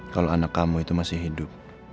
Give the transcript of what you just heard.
kalau anak kamu itu masih hidup